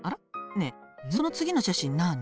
ねえその次の写真なあに？